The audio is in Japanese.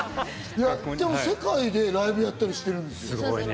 世界でライブやったりしてるんですよ。